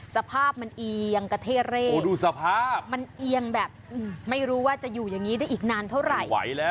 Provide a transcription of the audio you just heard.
สภาพมันเอียงกระเทะเล่นมันเอียงแบบไม่รู้ว่าจะอยู่อย่างนี้ได้อีกนานเท่าไหร่